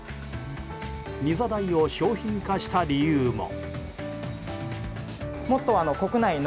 ニザダイを商品化した理由も。